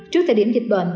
trước thời điểm dịch bệnh